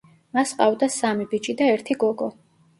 მას ჰყავდა სამი ბიჭი და ერთი გოგო.